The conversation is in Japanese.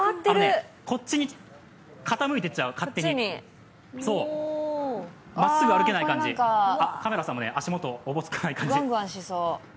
こっちに傾いていっちゃう、勝手にまっすぐ歩けない感じ、カメラさんも足元、おぼつかない感じ。